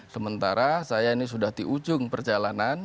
sementara saya ini sudah di ujung perjalanan